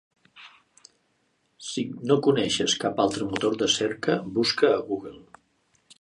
Si no coneixes cap altre motor de cerca, busca a Google.